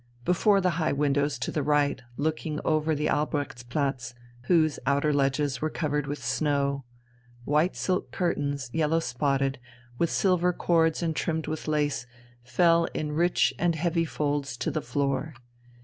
Before the high windows to the right, looking over the Albrechtsplatz, whose outer ledges were covered with snow, white silk curtains, yellow spotted, with silver cords and trimmed with lace, fell in rich, and heavy folds to the floor.